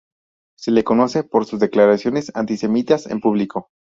Se lo conoce por sus declaraciones antisemitas en público.